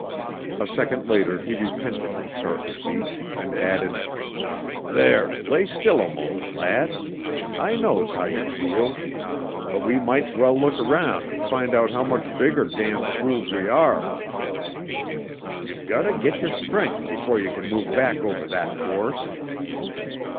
A second later he repented his sharp speech, and added, "There, lay still a moment, lad. I knows how yer feel, but we might's well look aroun' an' find out how much bigger damned fools we are. Ye've gotter git yer strength before ye can move back over that course."